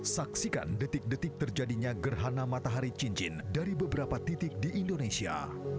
saksikan detik detik terjadinya gerhana matahari cincin dari beberapa titik di indonesia